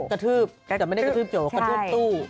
กระทืบแต่ไม่ได้กระทืบโจกกระทืบตู้